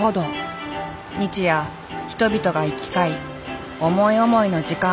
日夜人々が行き交い思い思いの時間を過ごしていく。